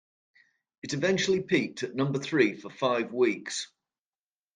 It eventually peaked at number three for five weeks.